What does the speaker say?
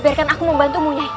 biarkan aku membantu munyai